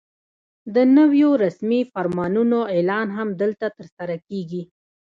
د نویو رسمي فرمانونو اعلان هم دلته ترسره کېږي.